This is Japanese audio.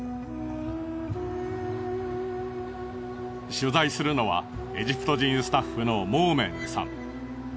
取材するのはエジプト人スタッフのモーメンさん。